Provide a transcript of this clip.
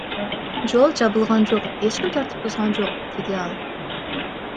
Жол жабылган жок, эч ким тартип бузган жок, — деди ал.